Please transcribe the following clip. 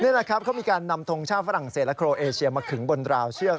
นี่แหละครับเขามีการนำทงชาติฝรั่งเศสและโครเอเชียมาขึงบนราวเชือก